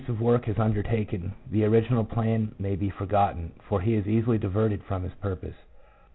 of work is undertaken, the original plan may be forgotten, for he is easily diverted from his purpose.